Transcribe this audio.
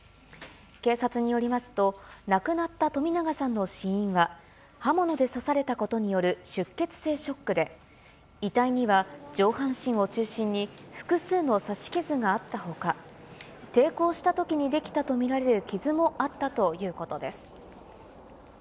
警察によりますと、亡くなった冨永さんの死因は、刃物で刺されたことによる出血性ショックで、遺体には上半身を中心に複数の刺し傷があったほか、抵抗したときに出来たと見られる傷もあったということです。